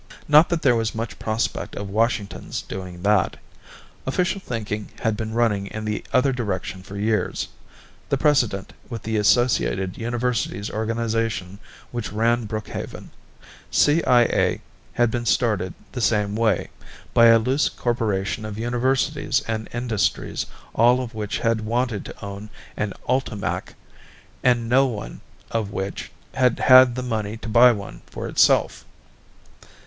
Not that there was much prospect of Washington's doing that. Official thinking had been running in the other direction for years. The precedent was the Associated Universities organization which ran Brookhaven; CIA had been started the same way, by a loose corporation of universities and industries all of which had wanted to own an ULTIMAC and no one of which had had the money to buy one for itself.